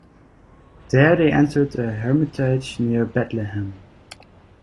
There they entered a hermitage near Bethlehem.